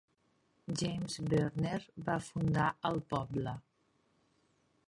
James Verner va fundar el poble.